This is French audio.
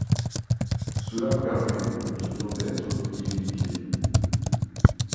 Cela permet aux cultures d'être irriguées.